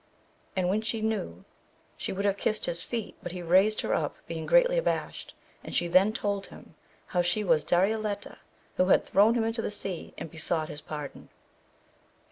and when she knew she would have kissed his feet, but he raised her up being greatly abashed, and she ' then told him how she was Darioleta who had thrown him into the sea, and besought his pardon.